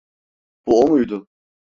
Bu o muydu?